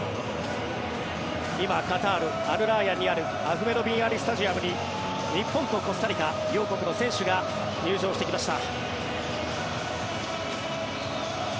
今、カタールアルラーヤンにあるアフメド・ビン・アリ・スタジアムに日本とコスタリカ、両国の選手が入場してきました。